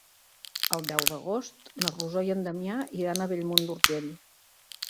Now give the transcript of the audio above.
El deu d'agost na Rosó i en Damià iran a Bellmunt d'Urgell.